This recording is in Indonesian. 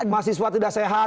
mahasiswa tidak sehat